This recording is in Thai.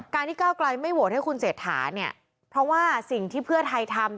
ที่ก้าวไกลไม่โหวตให้คุณเศรษฐาเนี่ยเพราะว่าสิ่งที่เพื่อไทยทำ